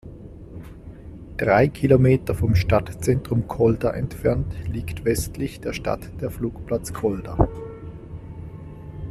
Drei Kilometer vom Stadtzentrum Kolda entfernt liegt westlich der Stadt der Flugplatz Kolda.